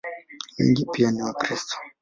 Wengi pia ni Wakristo.